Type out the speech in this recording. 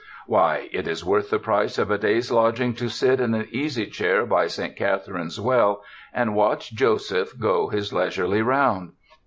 Why, it is worth the price of a day's lodging to sit in an easy chair by St. Catherine's well and watch Joseph go his leisurely round.